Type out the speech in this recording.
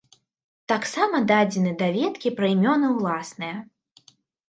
Таксама дадзены даведкі пра імёны уласныя.